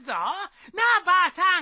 なあばあさん。